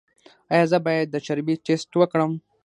ایا زه باید د چربي ټسټ وکړم؟